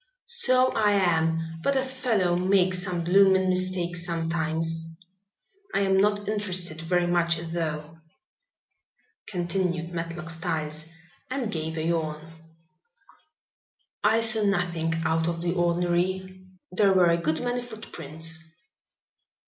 "So I am, but a fellow makes some bloomin' mistakes sometimes. I am not interested very much though," continued Matlock Styles, and gave a yawn. "I saw nothing out of the ordinary. There were a good many footprints."